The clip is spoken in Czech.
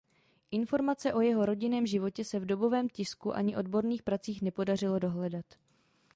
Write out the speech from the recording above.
Informace o jeho rodinném životě se v dobovém tisku ani odborných pracích nepodařilo dohledat.